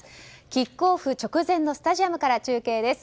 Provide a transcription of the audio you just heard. キックオフ直前のスタジオから中継です。